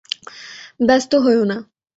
ব্যাস্ত হোয়ো না।